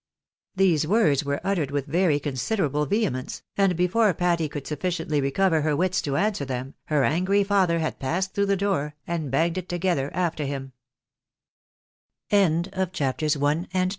These words were uttered with very considerable vehemence^ and before Patty could sufficiently recover her wits to answer them, her angry father had passed through the door, and banged it together a